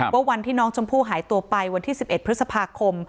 วันที่น้องชมพู่หายตัวไปวันที่๑๑พฤษภาคม